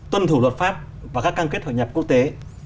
tuân thủ luật pháp và các cam kết hội nhập quốc tế